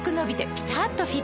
ピタっとフィット！